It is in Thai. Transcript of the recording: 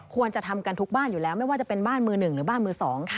ควรจะทำกันทุกบ้านอยู่แล้วไม่ว่าจะเป็นบ้านมือหนึ่งหรือบ้านมือสอง